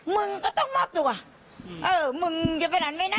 มึงก็ต้องมอบตัวมึงจะไปไหนไม่ได้